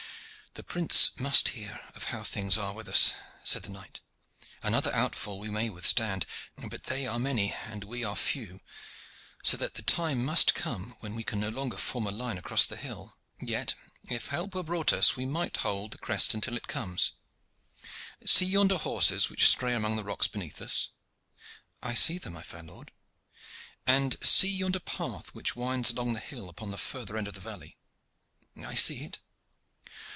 "The prince must hear of how things are with us," said the knight. "Another onfall we may withstand, but they are many and we are few, so that the time must come when we can no longer form line across the hill. Yet if help were brought us we might hold the crest until it comes. See yonder horses which stray among the rocks beneath us?" "I see them, my fair lord." "And see yonder path which winds along the hill upon the further end of the valley?" "I see it."